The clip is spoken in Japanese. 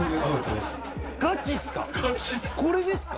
ガチっすか？